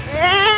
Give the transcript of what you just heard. ini udah berapa